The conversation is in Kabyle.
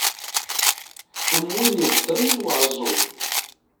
Am win i iheddren i uɛeẓẓug.